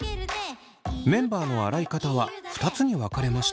メンバーの洗い方は２つに分かれました。